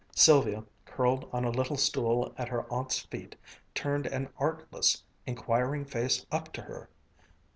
Sylvia, curled on a little stool at her aunt's feet, turned an artless, inquiring face up to her.